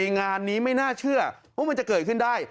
งานนี้ไม่น่าเชื่อว่ามันจะเกิดขึ้นได้